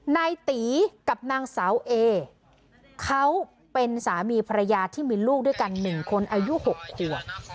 นายตีกับนางสาวเอเขาเป็นสามีภรรยาที่มีลูกด้วยกัน๑คนอายุ๖ขวบ